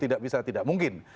tidak bisa tidak mungkin